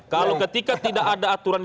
kalau ketika tidak ada aturan